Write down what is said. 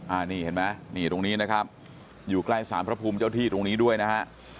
อันนี้เห็นไหมนี่ตรงนี้นะครับอยู่ใกล้สารพระภูมิเจ้าที่ตรงนี้ด้วยนะฮะ